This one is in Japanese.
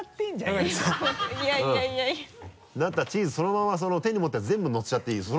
なんだったらチーズそのままその手に持ったやつ全部のせちゃっていいよ。